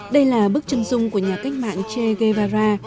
đây là bức chân dung của nhà cách mạng che guevara